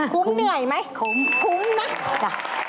คุ้มเหนื่อยไหมคุ้มนะคุ้มคุ้ม